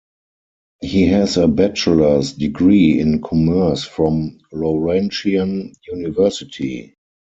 He has a bachelor's degree in commerce from Laurentian University.